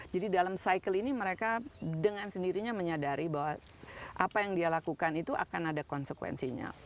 jadi dalam cycle ini mereka dengan sendirinya menyadari bahwa apa yang dia lakukan itu akan ada konsekuensinya